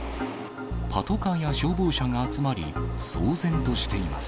パトカーや消防車が集まり、騒然としています。